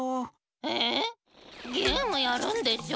えっゲームやるんでしょ？